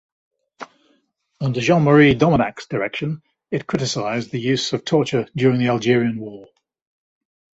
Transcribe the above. Under Jean-Marie Domenach's direction, it criticized the use of torture during the Algerian War.